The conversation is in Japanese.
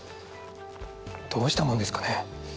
どうしたもんですかね？